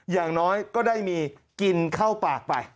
อย่างน้อยก็ได้มีกินเข้าปากไป